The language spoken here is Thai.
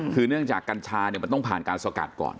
คือเนื่องจากกัญชามันต้องผ่านการสกัดก่อน